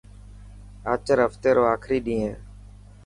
آچر هفتي رو آخري ڏينهن هي.